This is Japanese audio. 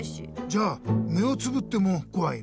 じゃあ目をつぶってもこわいの？